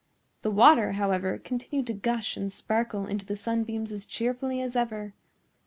The water, however, continued to gush and sparkle into the sunbeams as cheerfully as ever.